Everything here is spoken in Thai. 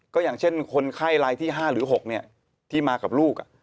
ก็อย่างเช่นคนไข้รายที่๕หรือ๖ที่มากับลูก